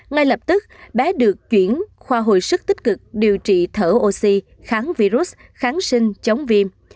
ngay lập tức bé được chuyển khoa hồi sức tích cực điều trị thở oxy kháng virus kháng sinh chống viêm